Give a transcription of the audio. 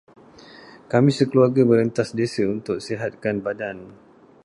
Kami sekeluarga merentas desa untuk sihatkan badan.